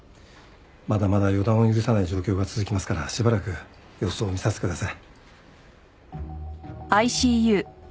まだまだ予断を許さない状況が続きますからしばらく様子を見させてください。